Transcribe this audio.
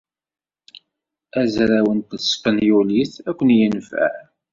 Azraw n tespenyulit ad ken-yenfeɛ.